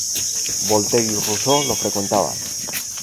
Voltaire y Rousseau lo frecuentaban.